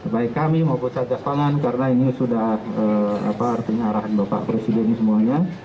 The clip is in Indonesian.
baik kami maupun satgas pangan karena ini sudah artinya arahan bapak presiden semuanya